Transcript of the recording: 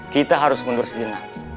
kita harus mundur sejenak